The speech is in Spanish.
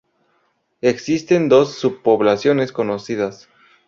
Existen dos subpoblaciones conocidas.